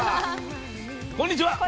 こんにちは。